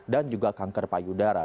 dan juga kanker payudara